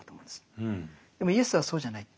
でもイエスはそうじゃない。